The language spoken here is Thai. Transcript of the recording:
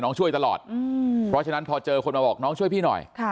ช่วยตลอดเพราะฉะนั้นพอเจอคนมาบอกน้องช่วยพี่หน่อย